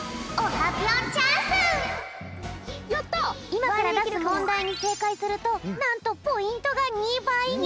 いまからだすもんだいにせいかいするとなんとポイントが２ばいになるよ！